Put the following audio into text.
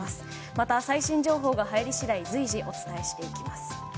また、最新情報が入り次第随時お伝えしていきます。